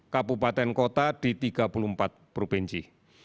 empat ratus enam puluh tujuh kabupaten kota di tiga puluh empat provinsi